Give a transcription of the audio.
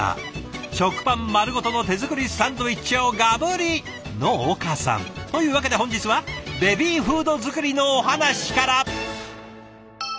食パン丸ごとの手作りサンドイッチをガブリ！の岡さん。というわけで本日はベビーフード作りのお話から。